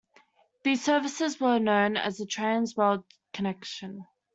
These services were known as the Trans World Connection.